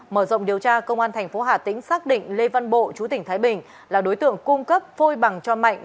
mở rộng điều tra công an tp hà tĩnh xác định lê văn bộ chủ tỉnh thái bình là đối tượng cung cấp phôi bằng cho mạnh